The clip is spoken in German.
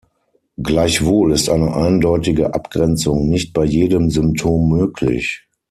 Gleichwohl ist eine eindeutige Abgrenzung nicht bei jedem Symptom möglich.